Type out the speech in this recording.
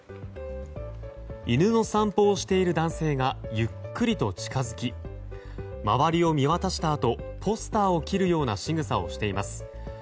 犬の散歩をしている男性がゆっくりと近づき周りを見渡したあとポスターを切るようなしぐさをしています。